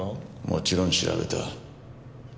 もちろん調べた。